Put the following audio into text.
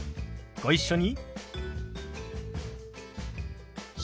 ご一緒に。